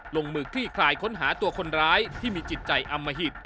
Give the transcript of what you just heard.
ลงมือคลี่คลายค้นหาตัวคนร้ายที่มีจิตใจอมหิต